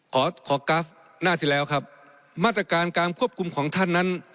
ขอขอกราฟหน้าที่แล้วครับมาตรการการควบคุมของท่านนั้น